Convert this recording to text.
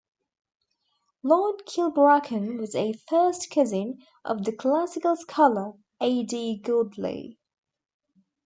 Lord Kilbracken was a first cousin of the classical scholar A. D. Godley.